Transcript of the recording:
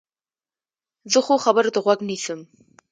زه ښو خبرو ته غوږ نیسم.